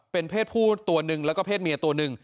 เป็นเพศผู้ตัวหนึ่งแล้วก็เพศเมียตัวหนึ่ง